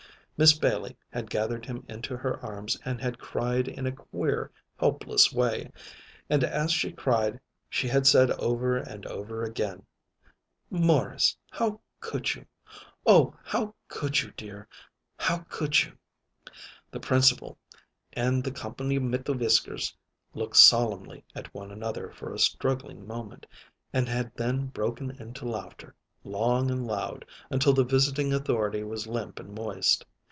Miss Bailey had gathered him into her arms and had cried in a queer helpless way. And as she cried she had said over and over again: "Morris, how could you? Oh, how could you, dear? How could you?" The Principal and "the comp'ny mit whiskers" looked solemnly at one another for a struggling moment, and had then broken into laughter, long and loud, until the visiting authority was limp and moist.